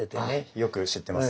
よく知ってます。